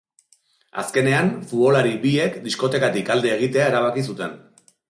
Azkenean, futbolari biek diskotekatik alde egitea erabaki zuten.